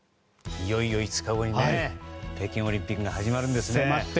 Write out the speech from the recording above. いよいよ５日後に北京オリンピックが始まるんですね。